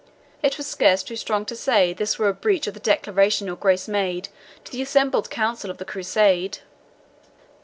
It were scarce too strong to say this were a breach of the declaration your Grace made to the assembled Council of the Crusade."